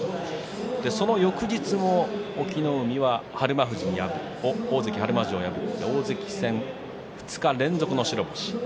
その翌日も隠岐の海は大関日馬富士を破って２日連続の白星。